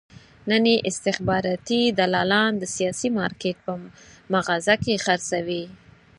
نن یې استخباراتي دلالان د سیاسي مارکېټ په مغازه کې خرڅوي.